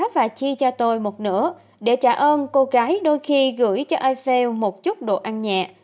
và chi cho tôi một nửa để trả ơn cô gái đôi khi gửi cho ifael một chút đồ ăn nhẹ